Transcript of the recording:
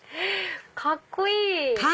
カッコいい！